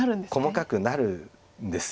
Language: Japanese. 細かくなるんです。